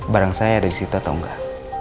barang saya ada di situ atau enggak